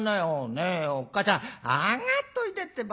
ねえおっかちゃん上がっといでってば。